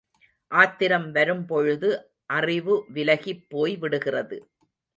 ஆத்திரம் வரும் பொழுது அறிவு விலகிப் போய் விடுகிறது.